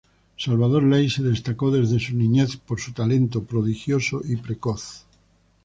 Salvador Ley se destacó desde su niñez por su talento prodigioso y precoz.